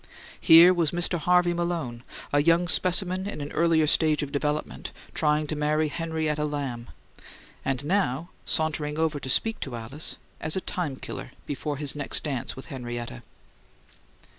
Here was Mr. Harvey Malone, a young specimen in an earlier stage of development, trying to marry Henrietta Lamb, and now sauntering over to speak to Alice, as a time killer before his next dance with Henrietta.